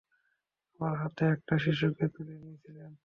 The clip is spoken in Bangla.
আমার হাতে একটা শিশুকে তুলে দিয়েছিলেন।